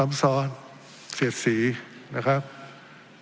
ทั้งสองกรณีผลเอกประยุทธ์